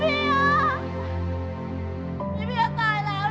พี่เพียร์ตายแล้ว